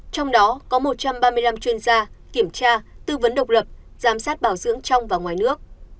trong đó có một trăm ba mươi năm chuyên gia kiểm tra tư vấn độc lập giám sát bảo dưỡng trong và ngoài nước